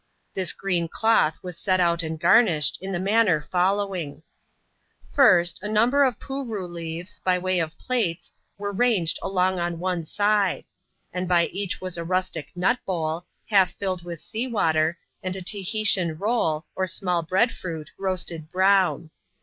This green cloth was set out and garnished, in the manner following :— First, a number of " pooroo " leaves, by way of plates, were ranged along on one side ; and by each was a rustic nut bowlj half filled with sea water, and a Tahitian roll, or small bread fruit, roasted brown.